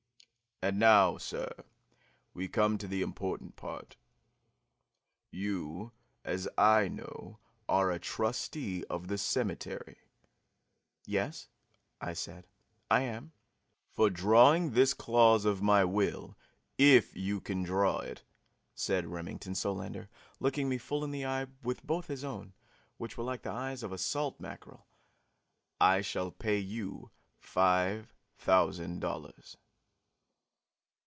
And now, sir, we come to the important part. You, as I know, are a trustee of the cemetery." "Yes," I said, "I am." "For drawing this clause of my will, if you can draw it," said Remington Solander, looking me full in the eye with both his own, which were like the eyes of a salt mackerel, "I shall pay you five thousand dollars."